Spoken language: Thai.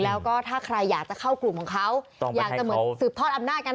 แล้วก็ถ้าใครอยากจะเข้ากลุ่มของเขาอยากจะเหมือนสืบทอดอำนาจกัน